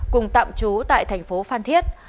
cùng tạm trú tại thành phố phan thiết